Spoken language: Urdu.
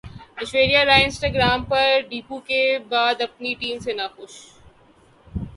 ایشوریا رائے انسٹاگرام پر ڈیبیو کے بعد اپنی ٹیم سے ناخوش